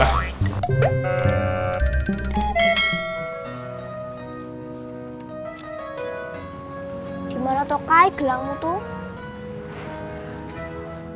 gimana tuh kak gelangmu tuh